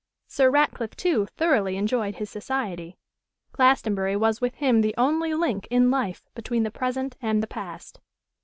Sir Ratcliffe, too, thoroughly enjoyed his society: Glastonbury was with him the only link, in life, between the present and the past.